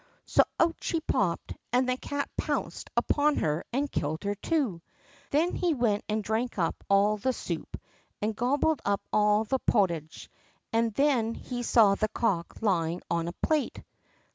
So out she popped, and the cat pounced upon her and killed her too. Then he went and drank up all the soup, and gobbled up all the pottage, and then he saw the cock lying on a plate.